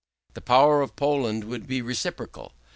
"The power of Poland would be reciprocal.